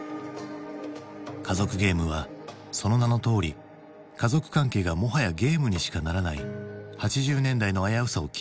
「家族ゲーム」はその名のとおり家族関係がもはやゲームにしかならない８０年代の危うさを切り取っていた。